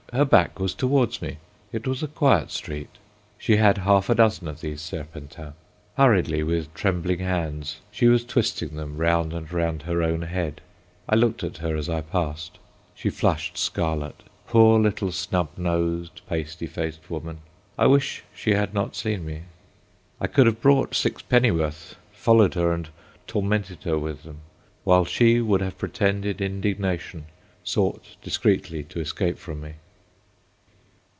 Her back was towards me. It was a quiet street. She had half a dozen of these serpentins. Hurriedly, with trembling hands, she was twisting them round and round her own head. I looked at her as I passed. She flushed scarlet. Poor little snub nosed pasty faced woman! I wish she had not seen me. I could have bought sixpenny worth, followed her, and tormented her with them; while she would have pretended indignation—sought, discreetly, to escape from me.